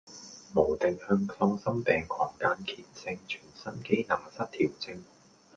無定向喪心病狂間歇性全身機能失調症